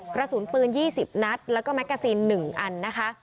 กระสุนปืนยี่สิบนัดแล้วก็แม็กกาซินหนึ่งอันนะคะ